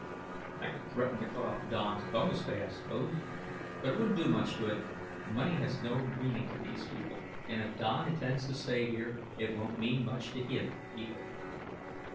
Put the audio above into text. "I could threaten to cut off Don's bonus pay, I suppose, but it wouldn't do much good; money has no meaning to these people and, if Don intends to stay here, it won't mean much to him, either."